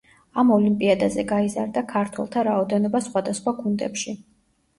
ამ ოლიმპიადაზე გაიზარდა ქართველთა რაოდენობა სხვადასხვა გუნდებში.